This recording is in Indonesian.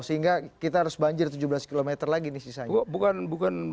sehingga kita harus banjir tujuh belas km lagi nih sisanya